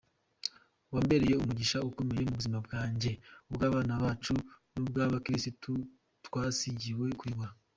Wambereye umugisha ukomeye mu buzima bwanjye, ubw’abana bacu n’ubw’abakirisitu twasigiwe kuyobora.